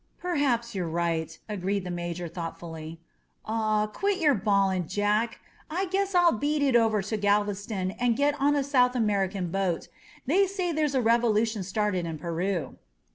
"Perhaps you're right," agreed the Major thought fully. "Aw, quit your bawling. Jack ! I guess I'll beat it over to Galveston and get on a South American boat. They say there's a revolution started in Peru."